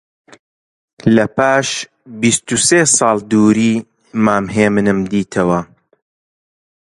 لە پاش بیست و سێ ساڵ دووری، مام هێمنیم دیتەوە